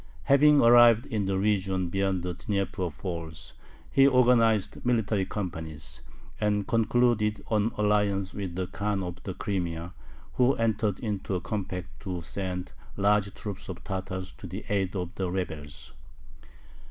Having arrived in the region beyond the Dnieper Falls, he organized military companies, and concluded an alliance with the Khan of the Crimea, who entered into a compact to send large troops of Tatars to the aid of the rebels.